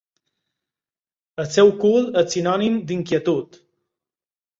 El seu cul és sinònim d'inquietud.